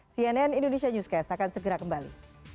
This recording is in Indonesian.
cnn indonesia newscast akan segera kembali